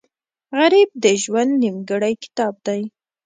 غریب د ژوند نیمګړی کتاب دی